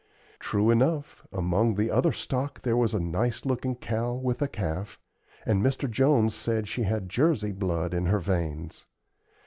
True enough, among the other stock there was a nice looking cow with a calf, and Mr. Jones said she had Jersey blood in her veins.